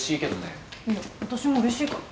いや私もうれしいから。